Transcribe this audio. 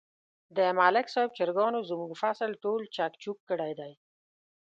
د ملک صاحب چرگانو زموږ فصل ټول چک چوک کړی دی.